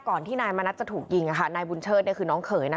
ที่นายมณัฐจะถูกยิงนายบุญเชิดคือน้องเขยนะ